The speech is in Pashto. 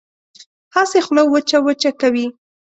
هسې خوله وچه وچه کوي.